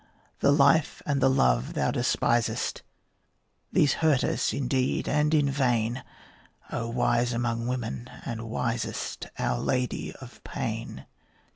The life and the love thou despisest, These hurt us indeed, and in vain, O wise among women, and wisest, Our Lady of Pain.